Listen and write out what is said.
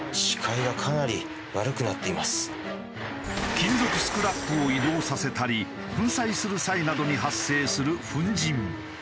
金属スクラップを移動させたり粉砕する際などに発生する粉じん。